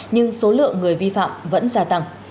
nhưng số lượng người vi phạm vẫn gia tăng